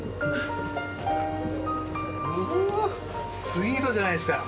スイートじゃないですか！